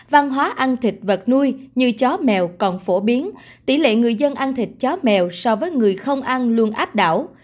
văn hóa ăn thịt vật nuôi như chó mèo còn phổ biến tỷ lệ người dân ăn thịt chó mèo so với người không ăn luôn áp đảo